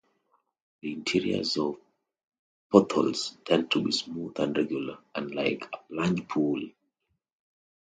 The interiors of potholes tend to be smooth and regular, unlike a plunge pool.